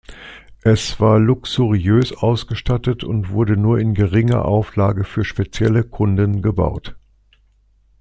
Es war luxuriös ausgestattet und wurde nur in geringer Auflage für spezielle Kunden gebaut.